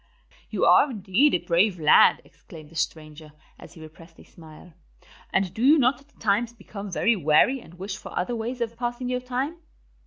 "You are indeed a brave lad," exclaimed the stranger, as he repressed a smile. "And do you not at times become very weary and wish for other ways of passing your time?"